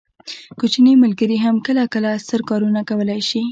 کوچني ملګري هم کله کله ستر کارونه کولی شي.